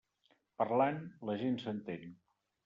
Parlant, la gent s'entén.